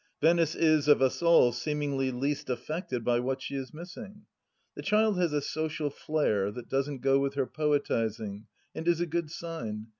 Venice is, of us all, seemingly least affected by what she is missing. The child has a social flair that doesn't go with her poetizing, and is a good sign.